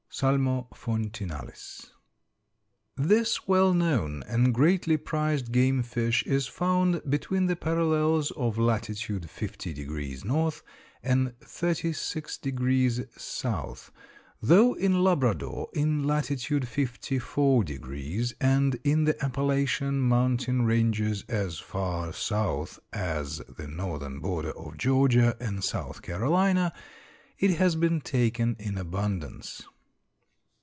Salmo fontinalis. This well known and greatly prized game fish is found between the parallels of latitude 50 degrees north and 36 degrees south, though in Labrador, in latitude 54 degrees, and in the Appalachian mountain ranges as far south as the northern border of Georgia and South Carolina, it has been taken in abundance.